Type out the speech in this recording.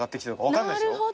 分かんないっすよ？